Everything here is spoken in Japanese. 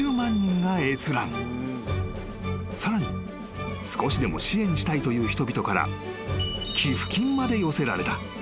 ［さらに少しでも支援したいという人々から寄付金まで寄せられた］